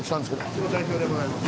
うちの代表でございます。